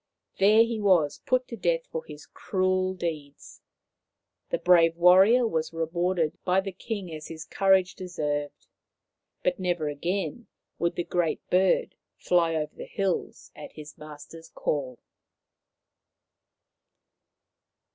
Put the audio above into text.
There he was put to death for his cruel deeds. The brave warrior was rewarded by the king as his courage deserved. But never again would the Great Bird fly over the hills at his master's call.